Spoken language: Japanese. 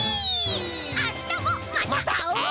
あしたもまたあおう！